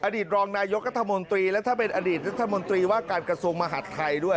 อดีตรองนายกรัฐมนตรีและถ้าเป็นอดีตรัฐมนตรีว่าการกระทรวงมหัฐไทยด้วย